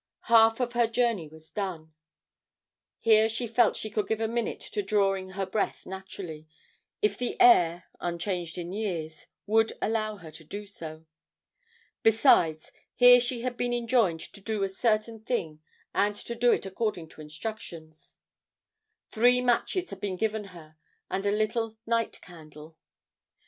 Half of her journey was done. Here she felt she could give a minute to drawing her breath naturally, if the air, unchanged in years, would allow her to do so. Besides, here she had been enjoined to do a certain thing and to do it according to instructions. Three matches had been given her and a little night candle.